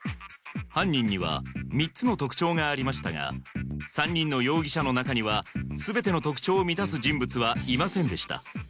犯人には３つの特徴がありましたが３人の容疑者の中には全ての特徴を満たす人物はいませんでした